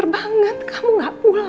ndang atau tau u highest umas